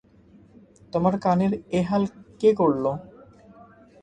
তোমার কানের এ হাল কে করলো?